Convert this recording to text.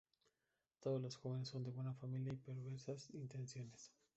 Todos los jóvenes son de buena familia y perversas intenciones.